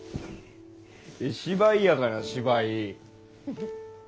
芝居やから芝居。